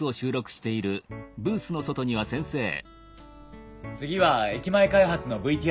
次は駅前開発のＶＴＲの受けですね。